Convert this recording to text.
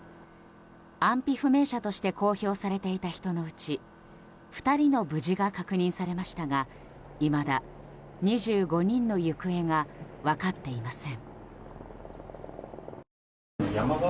安否不明者として公表されていた人のうち２人の無事が確認されましたがいまだ２５人の行方が分かっていません。